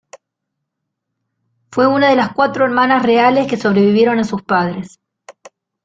Fue una de las cuatro hermanas reales que sobrevivieron a sus padres.